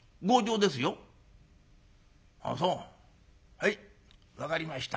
はい分かりました。